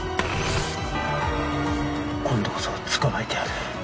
今度こそ捕まえてやる。